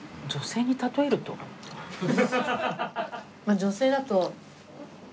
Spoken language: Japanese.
女性だと。